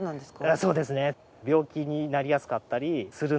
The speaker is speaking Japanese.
そうですね。